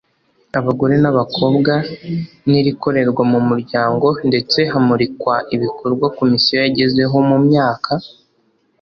abagore n abakobwa n irikorerwa mu muryango ndetse hamurikwa ibikorwa komisiyo yagezeho mu myaka